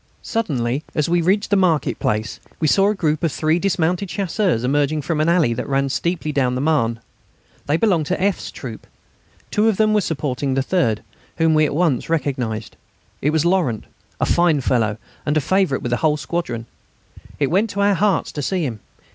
Suddenly, as we reached the market place, we saw a group of three dismounted Chasseurs emerging from an alley that ran down steeply to the Marne. They belonged to F.'s troop. Two of them were supporting the third, whom we at once recognised. It was Laurent, a fine fellow, and a favourite with the whole squadron. It went to our hearts to see him.